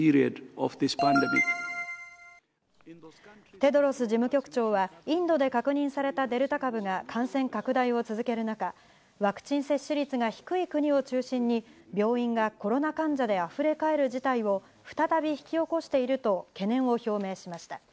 テドロス事務局長は、インドで確認されたデルタ株が感染拡大を続ける中、ワクチン接種率が低い国を中心に、病院がコロナ患者であふれ返る事態を再び引き起こしていると、懸念を表明しました。